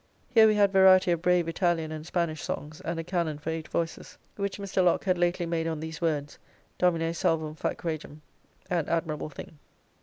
Here we had variety of brave Italian and Spanish songs, and a canon for eight voices, which Mr. Lock had lately made on these words: "Domine salvum fac Regem," an admirable thing.